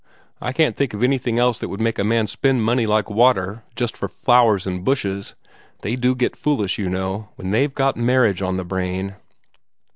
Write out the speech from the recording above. I can't think of anything else that would make a man spend money like water just for flowers and bushes. They do get foolish, you know, when they've got marriage on the brain."